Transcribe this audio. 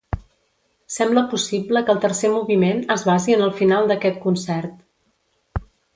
Sembla possible que el tercer moviment es basi en el final d'aquest concert.